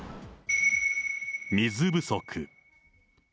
水不足。